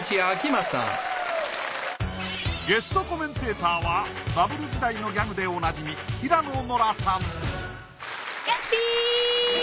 ゲストコメンテーターはバブル時代のギャグでおなじみ平野ノラさん